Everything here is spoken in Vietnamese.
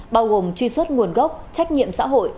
bao gồm truy xuất nguồn gốc trách nhiệm xã hội